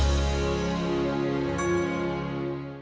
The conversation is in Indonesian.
kau akan menemukan kebaikanmu